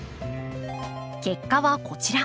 結果はこちら。